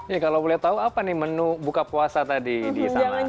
ya kalau boleh tahu apa nih menu buka puasa tadi di sana